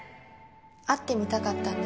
会ってみたかったんです。